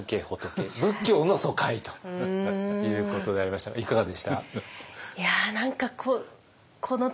仏教の疎開ということでありましたがいかがでした？